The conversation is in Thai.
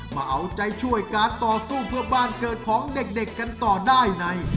มาเอาใจช่วยการต่อสู้เพื่อบ้านเกิดของเด็กกันต่อได้ใน